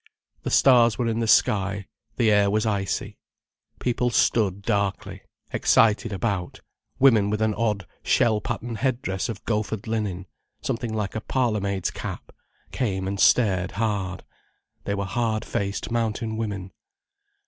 The stars were in the sky, the air was icy. People stood darkly, excitedly about, women with an odd, shell pattern head dress of gofered linen, something like a parlour maid's cap, came and stared hard. They were hard faced mountain women.